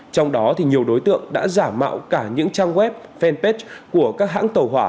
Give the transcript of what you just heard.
trong đó nhiều đối tượng đã giả mạo cả những trang web fanpage của các hãng tàu hỏa